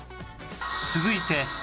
続いて